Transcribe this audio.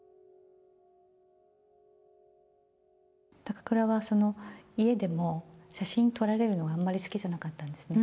高倉は、家でも写真撮られるのがあんまり好きじゃなかったんですね。